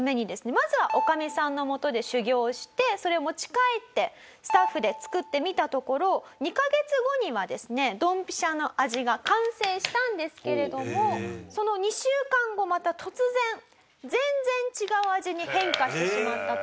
まずは女将さんのもとで修業をしてそれを持ち帰ってスタッフで作ってみたところ２カ月後にはですねドンピシャの味が完成したんですけれどもその２週間後また突然全然違う味に変化してしまったと。